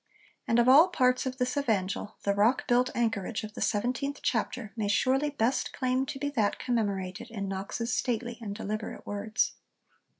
And of all parts of this Evangel the rock built anchorage of the seventeenth chapter may surely best claim to be that commemorated in Knox's stately and deliberate words.